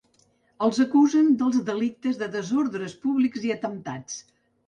Els acusen dels delictes de desordres públics i atemptats.